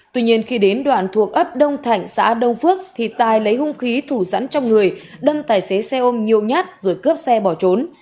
tuy nhiên khi đến đoạn thuộc ấp đông thạnh xã đông phước thì tài lấy hung khí thủ sẵn trong người đâm tài xế xe ôm nhiều nhát rồi cướp xe bỏ trốn